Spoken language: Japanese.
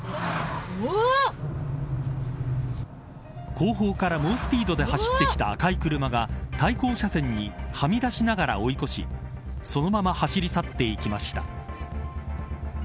後方から猛スピードで走ってきた赤い車が対向車線にはみ出しながら追い越しそのまま走り去っていきました。